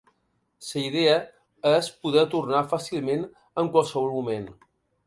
La idea és poder tornar fàcilment en qualsevol moment.